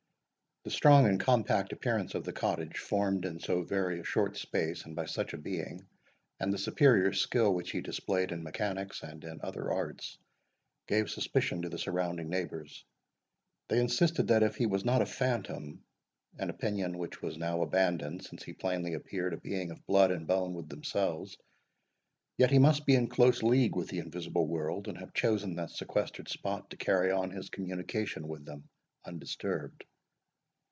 The strong and compact appearance of the cottage, formed in so very short a space, and by such a being, and the superior skill which he displayed in mechanics, and in other arts, gave suspicion to the surrounding neighbours. They insisted, that, if he was not a phantom, an opinion which was now abandoned, since he plainly appeared a being of blood and bone with themselves, yet he must be in close league with the invisible world, and have chosen that sequestered spot to carry on his communication with them undisturbed.